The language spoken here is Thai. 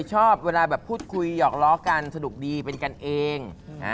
ชอบเวลาแบบพูดคุยหยอกล้อกันสนุกดีเป็นกันเอง